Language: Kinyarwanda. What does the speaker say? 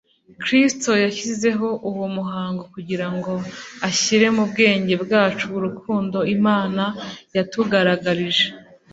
Kristo yashyizeho uwo muhango kugira ngo ashyire mu bwenge bwacu urukundo Imana yatugaragarije.